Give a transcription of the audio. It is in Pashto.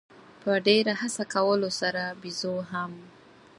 په ډېره هڅه کولو سره بېزو هم.